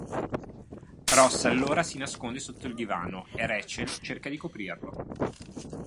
Ross allora si nasconde sotto il divano e Rachel cerca di coprirlo.